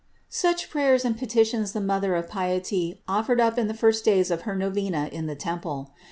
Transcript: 608. Such prayers and petitions the Mother of piety offered up in the first days of her novena in the temple.